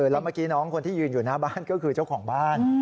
แล้วเมื่อกี้น้องคนที่ยืนอยู่หน้าบ้านก็คือเจ้าของบ้าน